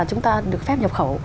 chúng ta được phép nhập khẩu